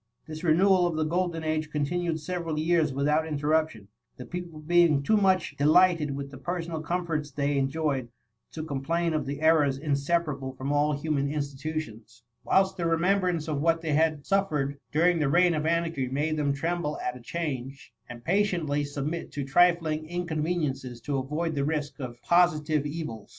This renewal of the golden age continued several years without interruption, the people being too much de lighted with the personal comforts they en joyed, to complain of the errors inseparable THE MUMMr. 11 from all human institutions ; whilst the remem brance of what they had suffered during the reign of anarchy, made them tremble at a change, and patiently submit to trifling incon yenienoes to avoid the risk of positive evils.